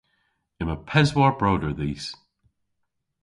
Yma peswar broder dhis.